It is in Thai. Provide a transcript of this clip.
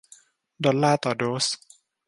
ดอลลาร์ต่อโดส